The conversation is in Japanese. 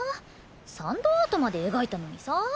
サンドアートまで描いたのにさ。